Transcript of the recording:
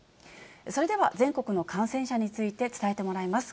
それでは、全国の感染者について伝えてもらいます。